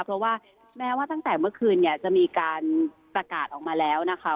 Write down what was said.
เพราะว่าแม้ว่าตั้งแต่เมื่อคืนเนี่ยจะมีการประกาศออกมาแล้วนะคะ